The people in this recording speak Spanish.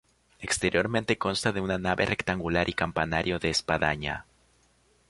Exteriormente consta de una nave rectangular y campanario de espadaña.